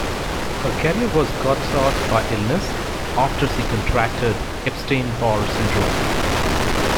Her career was cut short by illness, after she contracted Epstein-Barr Syndrome.